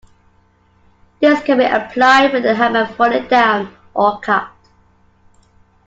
This can be applied with the hammer fully down, or cocked.